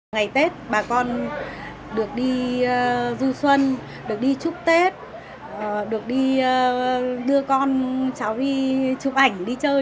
ngày tết bà con được đi du xuân được đi chúc tết được đưa con cháu đi chụp ảnh đi chơi